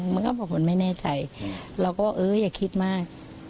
มันก็บอกมันไม่แน่ใจเราก็ว่าเอออย่าคิดมาก